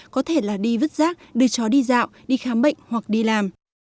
có thể là đi vứt rác đưa chó đi dạo đi khám bệnh hoặc đi làm